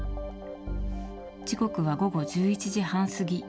時刻は午後１１時半過ぎ。